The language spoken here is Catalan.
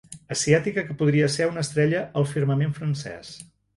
Asiàtica que podria ser una estrella al firmament francès.